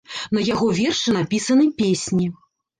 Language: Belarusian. На яго вершы напісаны песні.